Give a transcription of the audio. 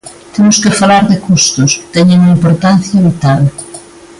Temos que falar de custos, teñen unha importancia vital.